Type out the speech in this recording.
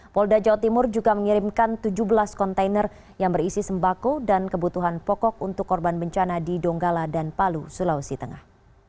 polda jawa timur juga mengirimkan tujuh belas kontainer yang berisi sembako dan kebutuhan pokok untuk korban bencana di donggala dan palu sulawesi tengah